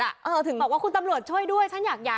อ่ะเออถึงบอกว่าคุณตำรวจช่วยด้วยฉันอยากอยาก